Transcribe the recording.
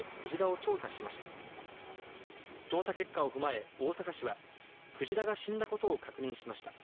調査結果を踏まえ、大阪市は鯨が死んだことを確認しました。